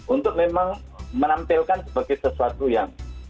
untuk memang menampilkan sebagai sesuatu yang